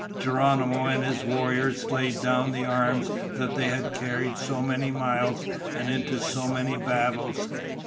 Geronimo and his warriors laid down the arms that they had carried so many miles and into so many battles.